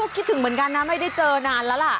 คิดถึงเหมือนกันนะไม่ได้เจอนานแล้วล่ะ